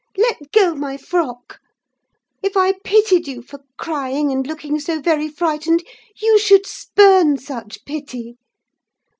Let go my frock! If I pitied you for crying and looking so very frightened, you should spurn such pity.